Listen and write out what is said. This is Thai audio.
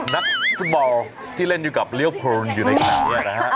นักบ่อที่เล่นอยู่กับเรียลพอล์นอยู่ในขณะต่างหัวแล้วนะครับ